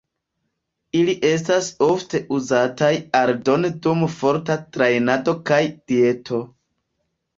Ili estas ofte uzataj aldone dum forta trejnado kaj dieto.